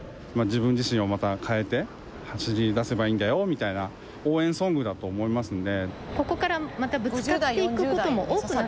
みたいな応援ソングだと思いますんで。